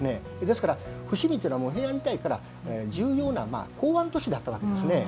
ですから伏見っていうのは平安時代から重要な港湾都市だったわけですね。